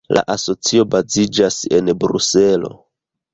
La asocio baziĝas en Bruselo.